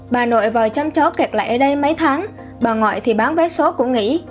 bà nội vào chăm chó kẹt lại ở đây mấy tháng bà ngoại thì bán vé số cũng nghĩ